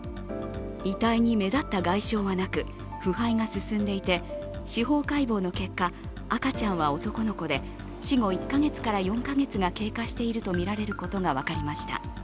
遺体に目立った外傷はなく腐敗が進んでいて司法解剖の結果、赤ちゃんは男の子で死後１か月から４か月が経過していることが分かりました。